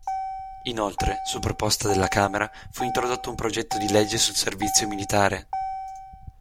Inoltre, su proposta della Camera fu introdotto un progetto di legge sul servizio militare.